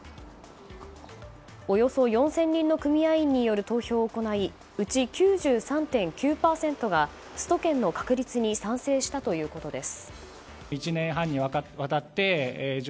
およそ４０００人の組合員による投票を行いうち９３．９％がスト権の確立に賛成したということです。